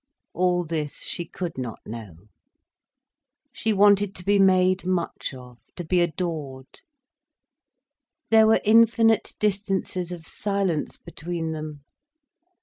All this she could not know. She wanted to be made much of, to be adored. There were infinite distances of silence between them.